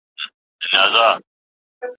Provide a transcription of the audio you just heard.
موږ ته یې کیسه په زمزمو کي رسېدلې ده